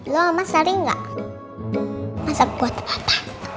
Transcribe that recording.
lo oma sering gak masak buat papa